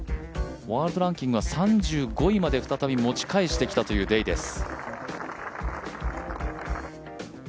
ワールドランキングは３５位まで再び持ち返してきたというデイです。